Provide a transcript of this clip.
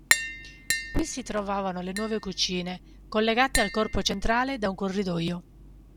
Qui si trovavano le nuove cucine, collegate al corpo centrale da un corridoio.